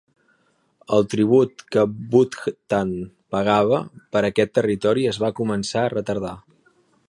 El tribut que Bhutan pagava per aquest territori es va començar a retardar.